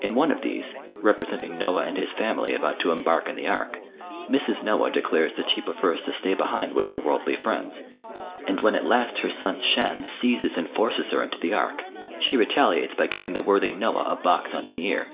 In one of these, representing Noah and his family about to embark in the ark, Mrs. Noah declares that she prefers to stay behind with her worldly friends, and when at last her son Shem seizes and forces her into the ark, she retaliates by giving the worthy Noah a box on the ear.